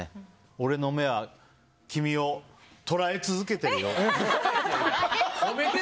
俺の目は君をとらえ続けてるよ。